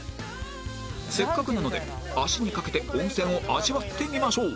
せっかくなので足にかけて温泉を味わってみましょう